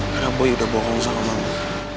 karena boy udah bohong sama mama